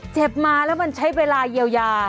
มาแล้วมันใช้เวลาเยียวยา